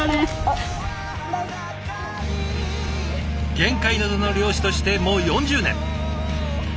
玄界灘の漁師としてもう４０年。